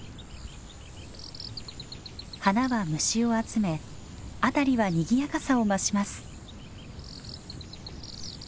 花は虫を集め辺りはにぎやかさを増します。